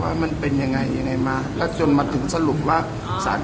ว่ามันเป็นยังไงยังไงมาแล้วจนมาถึงสรุปว่าสาร